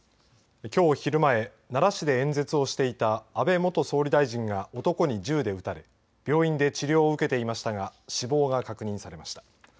きょう昼前、奈良市で演説をしていた安倍元総理大臣が男に銃で撃たれ病院で治療を受けていましたが死亡が確認されました。